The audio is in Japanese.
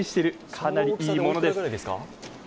かなりいいものです。